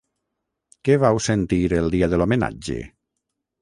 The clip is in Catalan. Què vau sentir el dia de l’homenatge?